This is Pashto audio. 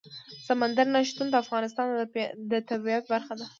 سمندر نه شتون د افغانستان د طبیعت برخه ده.